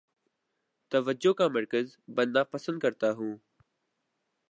توجہ کا مرکز بننا پسند کرتا ہوں